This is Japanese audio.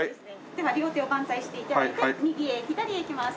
では両手を万歳して頂いて右へ左へいきます。